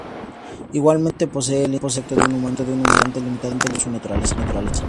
Igualmente, posee el intelecto de un humano, pero bastante limitado por su naturaleza.